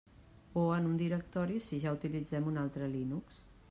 O en un directori si ja utilitzem un altre Linux.